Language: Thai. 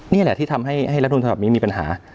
นี่แหละที่ทำให้รัฐมนุนฉบับนี้มีปัญหา